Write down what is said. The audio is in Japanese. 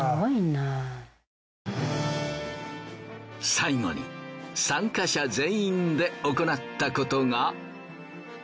最後に参加者全員で行ったことが。